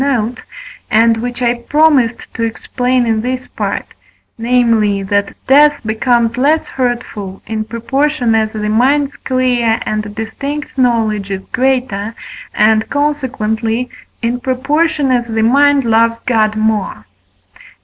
note, and which I promised to explain in this Part; namely, that death becomes less hurtful, in proportion as the mind's clear and distinct knowledge is greater, and, consequently, in proportion as the mind loves God more.